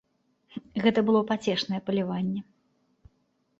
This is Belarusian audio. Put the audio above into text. Гэта было пацешнае паляванне.